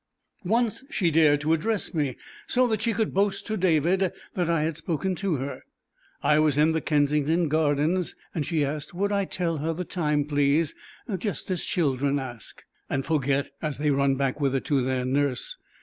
Once she dared to address me, so that she could boast to David that I had spoken to her. I was in the Kensington Gardens, and she asked would I tell her the time please, just as children ask, and forget as they run back with it to their nurse.